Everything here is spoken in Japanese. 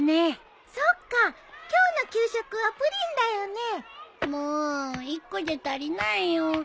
そっか今日の給食はプリンだよね。も１個じゃ足りないよ。